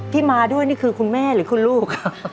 ที่มาด้วยนี่คือคุณแม่หรือคุณลูก